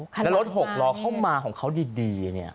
แล้วรถหกล้อเข้ามาของเขาดีเนี่ย